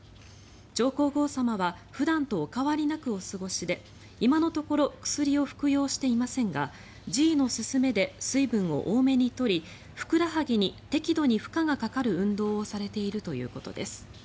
上皇后さまは普段とお変わりなくお過ごしで今のところ薬を服用していませんが侍医の勧めで水分を多めに取りふくらはぎに適度に負荷がかかる運動をされているということです。